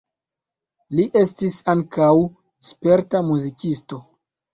Li estis ankaŭ sperta muzikisto.